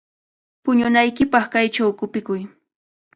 Puñunaykipaq kaychaw qupikuy.